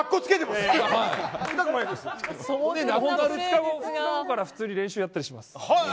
そのあと普通に練習やったりします。